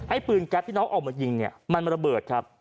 ไอ้ปืนแก๊บที่น้องออกมายิงมันระเบิดครับ